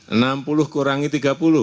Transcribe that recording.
enam puluh kurangi tiga puluh